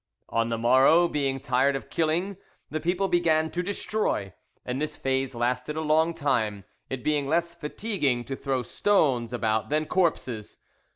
On the morrow, being tired of killing, the people began to destroy, and this phase lasted a long time, it being less fatiguing to throw stones about than corpses.